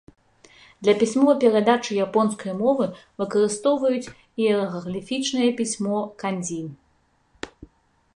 Для пісьмовай перадачы японскай мовы выкарыстоўваюць іерагліфічнае пісьмо кандзі.